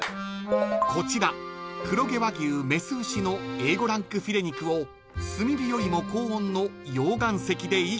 ［こちら黒毛和牛雌牛のＡ５ランクフィレ肉を炭火よりも高温の溶岩石で一気にグリル］